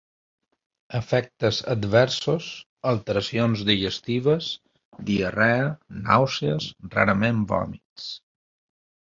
Efectes adversos: alteracions digestives: diarrea, nàusees, rarament vòmits.